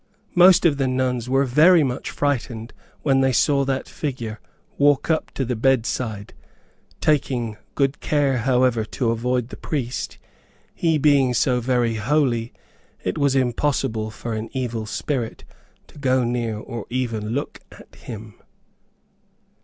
Most of the nuns were very much frightened when they saw that figure walk up to the bedside, taking good care, however, to avoid the priest, he being so very holy it was impossible for an evil spirit to go near or even look at him.